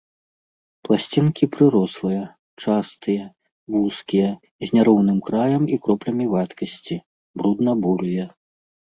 Пласцінкі прырослыя, частыя, вузкія, з няроўным краем і кроплямі вадкасці, брудна-бурыя.